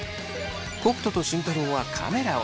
北斗と慎太郎はカメラを。